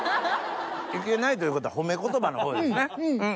「いけない」ということは褒め言葉のほうですね。